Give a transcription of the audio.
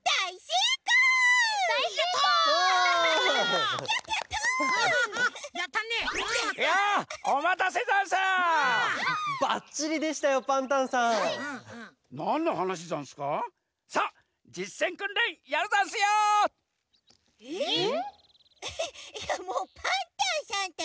いやもうパンタンさんったら！